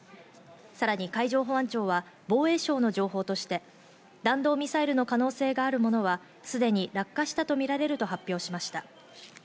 さらに海上保安庁は防衛省の情報として、弾道ミサイルの可能性があるものはすでに落下したとみられると発表しました。